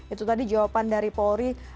itu tadi jawaban dari polri